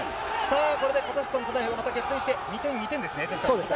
これでカザフスタンがまた逆転して２点ですね。